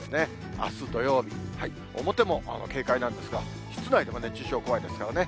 あす土曜日、表も警戒なんですが、室内でも熱中症怖いですからね。